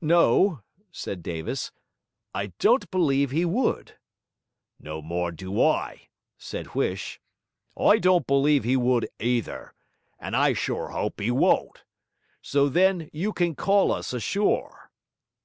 'No,' said Davis, 'I don't believe he would.' 'No more do I,' said Huish; 'I don't believe he would either; and I'm sure I 'ope he won't! So then you can call us ashore.